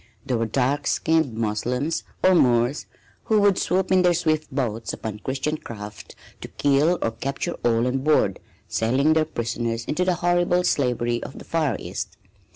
There were dark skinned Moslems or Moors who would swoop in their swift boats upon Christian craft to kill or capture all on board, selling their prisoners into the horrible slavery of the Far East.